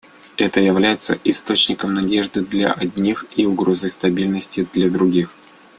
Это является источником надежды для одних и угрозой стабильности для других.